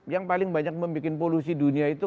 yang paling banyak membuat polusi dunia itu